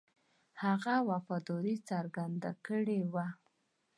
هغه وفاداري څرګنده کړې وه.